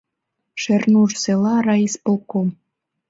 Шернур села райисполком